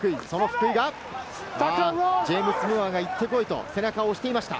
その福井がジェームス・ムーアが行ってこい！と背中を押していました。